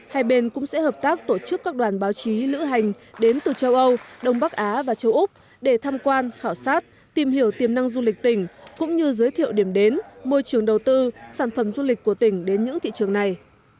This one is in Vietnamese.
hai bên cũng sẽ hợp tác tổ chức các đoàn báo chí lữ hành đến từ châu âu đông bắc á và châu úc để tham quan khảo sát tìm hiểu tiềm năng du lịch tỉnh cũng như giới thiệu điểm đến môi trường đầu tư sản phẩm du lịch của tỉnh đến những thị trường này